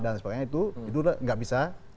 dan sebagainya itu itu tidak bisa